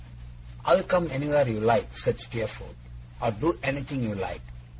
'I'll come anywhere you like,' said Steerforth, 'or do anything you like.